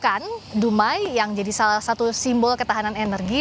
dan di harapkan dumai yang jadi salah satu simbol ketahanan energi